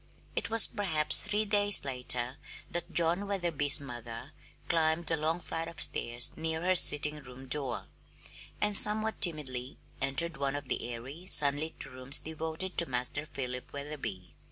It was perhaps three days later that John Wetherby's mother climbed the long flight of stairs near her sitting room door, and somewhat timidly entered one of the airy, sunlit rooms devoted to Master Philip Wetherby.